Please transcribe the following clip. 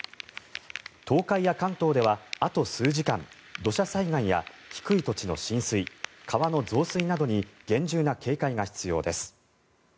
東海や関東ではあと数時間土砂災害や低い土地の浸水川の増水などに厳重な警戒が必要です。